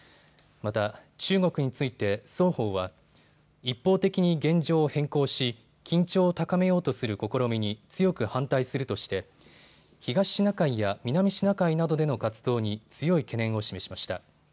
また、中国について双方は一方的に現状を変更し緊張を高めようとする試みに強く反対するとして東シナ海や南シナ海などでの活動に強い懸念を示しました。